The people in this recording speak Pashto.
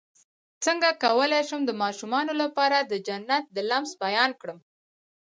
څنګه کولی شم د ماشومانو لپاره د جنت د لمس بیان کړم